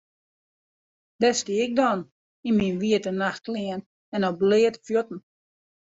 Dêr stie ik dan yn myn wite nachtklean en op bleate fuotten.